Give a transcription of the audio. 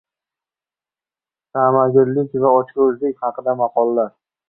Ta’magirlik va ochko‘zlik haqida maqollar.